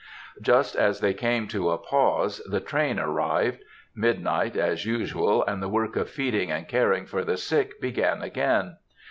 Just as they came to a pause the train arrived; midnight, as usual, and the work of feeding and caring for the sick began again.